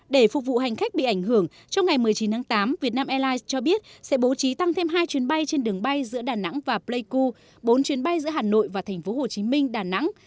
để phục vụ hành khách bị ảnh hưởng trong ngày một mươi chín tháng tám vietnam airlines cho biết sẽ bố trí tăng thêm hai chuyến bay trên đường bay giữa đà nẵng và pleiku bốn chuyến bay giữa hà nội và thành phố hồ chí minh đà nẵng